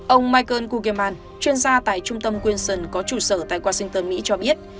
ông michael kugeman chuyên gia tại trung tâm quinson có trụ sở tại washington mỹ cho biết